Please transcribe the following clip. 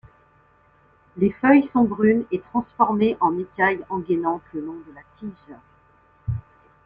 Les feuilles sont brunes et transformées en écailles engainantes le long de la tige.